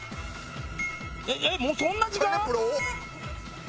えっもうそんな時間？